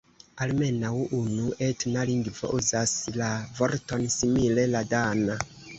Almenaŭ unu etna lingvo uzas la vorton simile: la dana.